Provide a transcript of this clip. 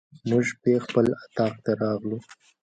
موږ شپې خپل اطاق ته راغلو.